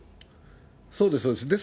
そうです、そうです。